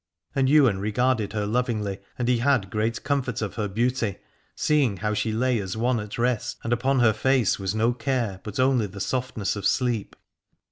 And Ywain regarded her lovingly, and he had great comfort of her beauty, seeing how she lay as one at rest and upon her face was no care but only the softness of sleep.